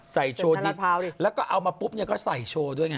ใส่โชว์ดีแล้วก็เอามาปุ๊บก็ใส่โชว์ด้วย